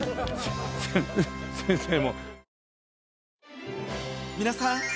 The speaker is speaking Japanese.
せ先生も。